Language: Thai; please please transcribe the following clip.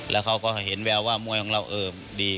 แล้วเขาก็เห็นแววว่ามวยของเราดี